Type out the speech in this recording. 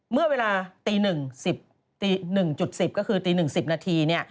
เมื่อเวลาตี๑๑๐ก็คือตี๑๐นาที